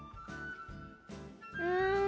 うん。